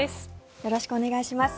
よろしくお願いします。